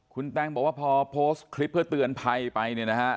คุณแต้งบอกว่าพอโพสต์คลิปเพื่อเตือนภัยไป